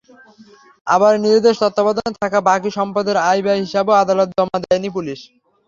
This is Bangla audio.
আবার নিজেদের তত্ত্বাবধানে থাকা বাকি সম্পদের আয়-ব্যয়ের হিসাবও আদালতে জমা দেয়নি পুলিশ।